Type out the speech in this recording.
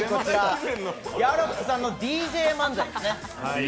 ギャロップさんのＤＪ漫才ですね。